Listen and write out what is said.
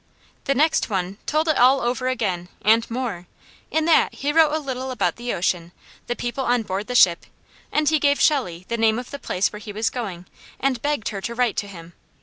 The next one told it all over again, and more. In that he wrote a little about the ocean, the people on board the ship, and he gave Shelley the name of the place where he was going and begged her to write to him.